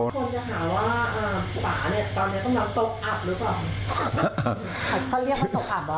คนจะหาว่าป่าตอนนี้ต้องทำตกอับหรือเปล่า